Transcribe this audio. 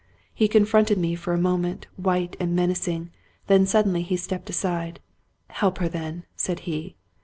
He confronted me for a moment, white and menacing; then suddenly he stepped aside. " Help her then," said he.